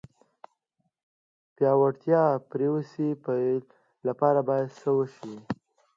د پیاوړتیا د پروسې د پیل لپاره باید څه وشي.